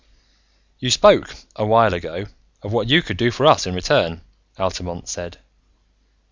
"You spoke, a while ago, of what you could do for us, in return," Altamont said.